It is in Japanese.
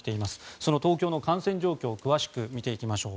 その東京の感染状況詳しく見ていきましょう。